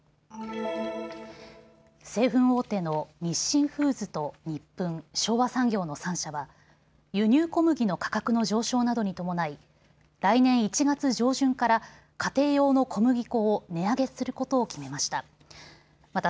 製粉大手の日清フーズとニップン、昭和産業の３社は輸入小麦の価格の上昇などに伴い来年１月上旬から家庭用の小麦粉を値上げすることを決めました。